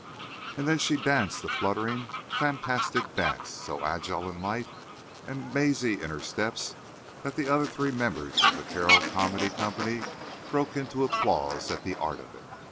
And then she danced a fluttering, fantastic dance, so agile and light and mazy in her steps that the other three members of the Carroll Comedy Company broke into applause at the art of it.